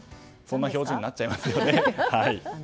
そんな表情になってしまいますよね。